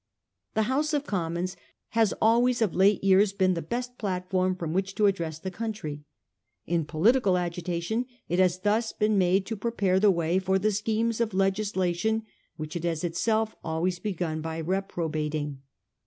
The House of Commons has always of late years been the best platform from which to address the country. In political agitation it has thus been made to prepare the way for the schemes of legislation which it has itself always begun by reprobating.